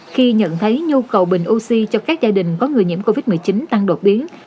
khi nhận thấy nhu cầu bình oxy cho các gia đình có người nhiễm covid một mươi chín tăng đột biến